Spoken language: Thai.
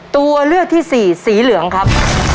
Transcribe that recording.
ตัวเลือกที่สี่สีเหลืองครับ